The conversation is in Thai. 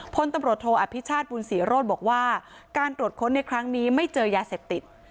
พลตำรวจโทอภิชาติบุญศรีโรธบอกว่าการตรวจค้นในครั้งนี้ไม่เจอยาเสพติด